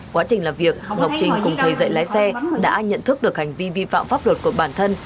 quá trình làm việc ngọc trinh cùng thầy dạy lái xe đã nhận thức được hành vi vi phạm pháp luật của bản thân